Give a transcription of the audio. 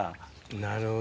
なるほどね。